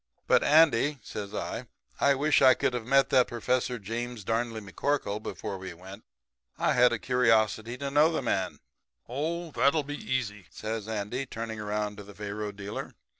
But, Andy,' says I, 'I wish I could have met that Professor James Darnley McCorkle before we went. I had a curiosity to know that man.' "'That'll be easy,' says Andy, turning around to the faro dealer.